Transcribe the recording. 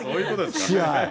試合。